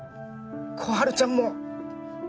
心春ちゃんも